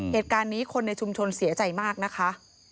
เหตุการณ์นี้คนในชุมชนเสียใจมากนะคะ